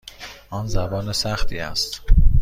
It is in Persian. آن زبان سختی است.